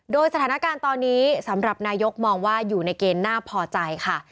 โดยสถานการณ์ตอนนี้สำหรับนายกมองว่าอยู่ในเกณฑ์น่าพอใจค่ะ